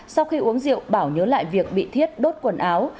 sau khi uống rượu bảo nhớ lại việc bị thiết đốt quần áo